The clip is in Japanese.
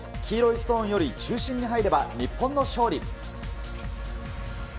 黄色いストーンより中心に入れば日本の勝利。